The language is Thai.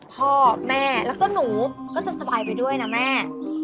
พ่อแม่แล้วก็หนูก็จะสบายไปด้วยนะแม่